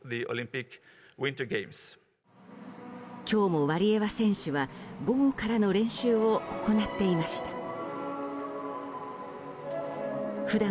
今日もワリエワ選手は午後からの練習を行っています。